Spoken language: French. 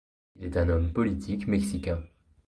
Il est un homme politique mexicain.